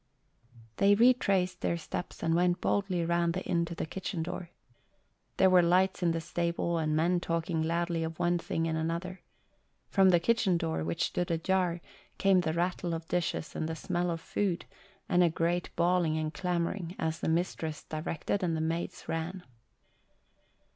They retraced their steps and went boldly round the inn to the kitchen door. There were lights in the stable and men talking loudly of one thing and another. From the kitchen door, which stood ajar, came the rattle of dishes and the smell of food and a great bawling and clamouring as the mistress directed and the maids ran.